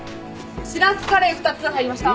しらすカレー２つ入りました。